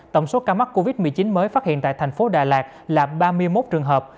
tổng số ca mắc covid một mươi chín mới phát hiện tại thành phố đà lạt là ba mươi một trường hợp